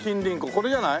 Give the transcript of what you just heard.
これじゃない？